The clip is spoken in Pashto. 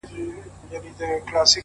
• پېژندلی پر ایران او پر خُتن وو,